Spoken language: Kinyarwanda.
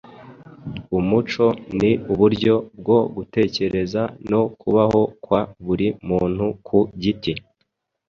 Umuco ni uburyo bwo gutekereza no kubaho kwa buri muntu ku giti